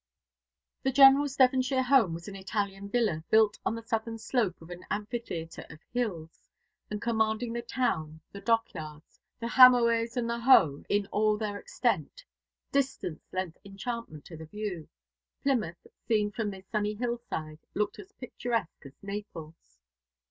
The General's Devonshire home was an Italian villa, built on the southern slope of an amphitheatre of hills, and commanding the town, the dockyards, the Hamoaze, and the Hoe in all their extent. Distance lent enchantment to the view. Plymouth, seen from this sunny hillside, looked as picturesque as Naples.